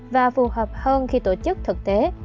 và phù hợp hơn khi tổ chức thực tế